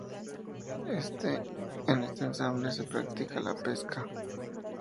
En este embalse se practica la pesca.